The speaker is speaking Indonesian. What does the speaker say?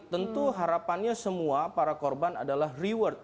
tentu harapannya semua para korban adalah reward